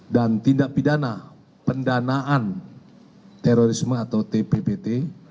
dan tindak pidana pendanaan terorisme atau tppt